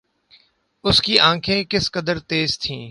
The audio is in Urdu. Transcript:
اس کی آنکھیں کس قدر تیز تھیں